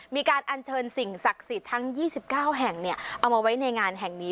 มีการอัญเชิญสิ่งศักดิ์สิทธิ์ทั้งยี่สิบเก้าแห่งเนี้ยเอามาไว้ในงานแห่งนี้